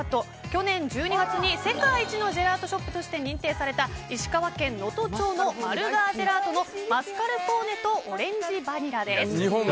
去年１２月に世界一のジェラートショップとして認定された石川県能登町のマルガージェラートのマスカルポーネとオレンジバニラです。